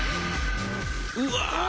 うわ！